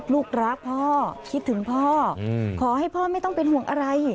ลูกรักพ่อคิดถึงพ่อขอให้พ่อไม่ต้องเป็นห่วงอะไร